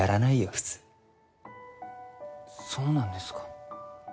普通そうなんですか？